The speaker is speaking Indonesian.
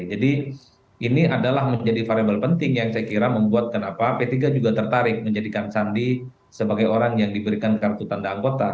jadi ini adalah menjadi variable penting yang saya kira membuat kenapa p tiga juga tertarik menjadikan sandi sebagai orang yang diberikan kartu tanda anggota